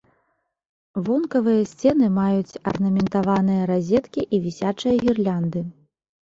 Вонкавыя сцены маюць арнаментаваныя разеткі і вісячыя гірлянды.